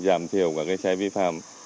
để giảm thiểu các cái xe vi phạm